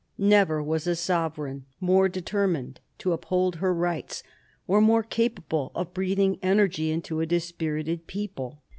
Never was a sovereign more determined to uphold her rights, or more capable of breathing energy into a dispirited people.